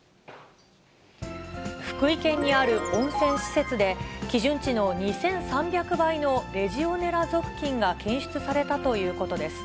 福井県にある温泉施設で、基準値の２３００倍のレジオネラ属菌が検出されたということです。